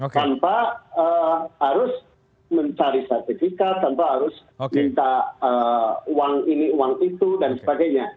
tanpa harus mencari sertifikat tanpa harus minta uang ini uang itu dan sebagainya